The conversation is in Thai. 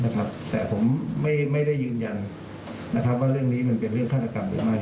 แต่ผมไม่ได้ยืนยันว่าเรื่องนี้มันเป็นเรื่องฆาตกรรมหรือไม่